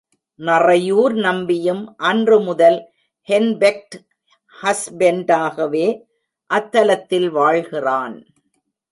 நறையூர் நம்பியும், அன்று முதல் ஹென்பெக்ட் ஹஸ்பெண்டாகவே அத்தலத்தில் வாழ்கிறான்!